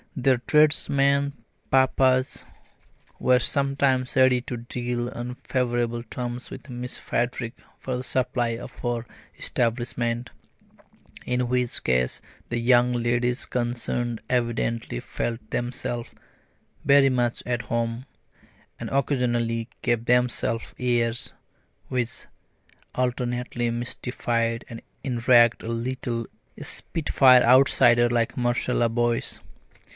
Their tradesmen papas were sometimes ready to deal on favourable terms with Miss Frederick for the supply of her establishment; in which case the young ladies concerned evidently felt themselves very much at home, and occasionally gave themselves airs which alternately mystified and enraged a little spitfire outsider like Marcella Boyce.